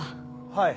はい。